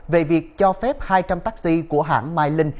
về việc cho phép hai trăm linh taxi của hãng mylink